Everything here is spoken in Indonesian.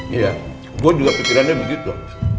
iya gue juga pikirannya begitu